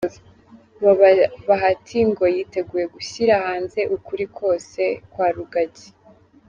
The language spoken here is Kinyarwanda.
Bahati ngo yiteguye gushyira hanze ukuri kwose kwa Rugagi.